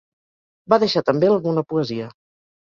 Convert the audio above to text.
Va deixar també alguna poesia.